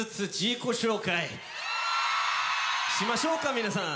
皆さん。